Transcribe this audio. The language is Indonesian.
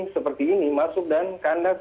seperti ini masuk dan kandas